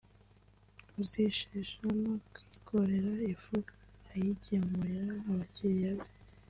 kuzishesha no kwikorera ifu ayigemurira abakiriya be